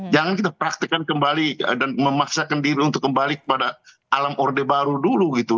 jangan kita praktekkan kembali dan memaksakan diri untuk kembali pada alam orde baru dulu gitu